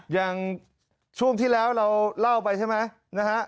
อย่างช่วงที่แล้วเราเล่าไปใช่ไหมนะฮะ